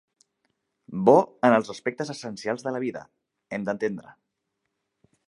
Bo en els aspectes essencials de la vida, hem d'entendre.